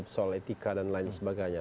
soal etika dan lain sebagainya